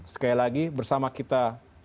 sekali lagi bersama kita